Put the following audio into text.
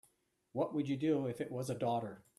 What would you do if it was a daughter?